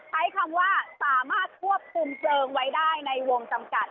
ใช้คำว่าสามารถควบคุมเพลิงไว้ได้ในวงจำกัด